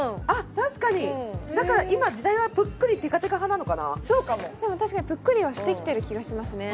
確かにだから今そうかもでも確かにぷっくりはしてきている気がしますね